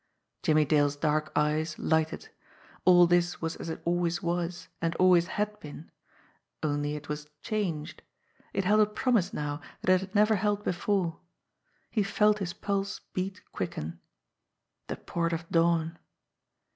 Jimmie Dale's dark eyes lighted. All this was as it always was and always had been only it was clianged. It held a promise now that it had never held before. He felt his pulse beat quicken. The Port of Dawn!